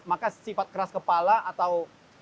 maka sifat keras kepala atau